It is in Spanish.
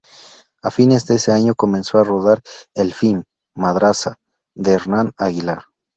A fines de ese año comenzó a rodar el Film "Madraza", de Hernán Aguilar.